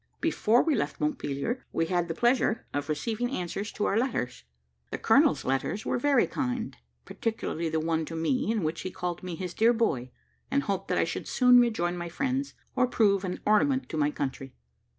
Before we left Montpelier, we had the pleasure of receiving answers to our letters: the colonel's letters were very kind, particularly the one to me, in which he called me his dear boy, and hoped that I should soon rejoin my friends, and prove an ornament to my country.